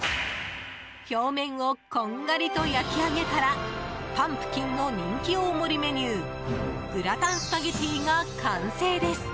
表面をこんがりと焼き上げたらパンプキンの人気大盛りメニューグラタンスパゲティが完成です。